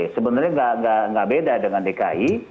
sebenarnya nggak beda dengan dki